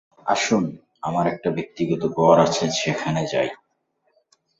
আসুন, আমার একটা ব্যক্তিগত ঘর আছে, সেখানে যাই।